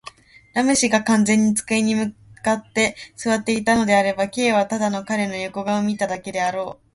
ラム氏が完全に机に向って坐っていたのであれば、Ｋ はただ彼の横顔を見ただけであろう。